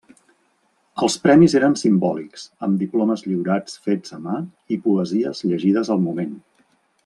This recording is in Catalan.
Els premis eren simbòlics, amb diplomes lliurats fets a mà i poesies llegides al moment.